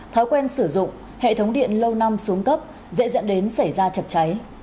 thói quen sử dụng hệ thống điện lâu năm xuống cấp dễ dẫn đến xảy ra chập cháy